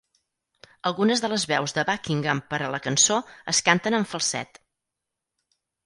Algunes de les veus de Buckingham per a la cançó es canten en falset.